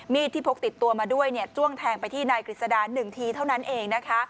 มีดที่พกติดตัวมาด้วยจ้วงแทงไปที่นายกฤษดา๑ทีเท่านั้นเองนะคะ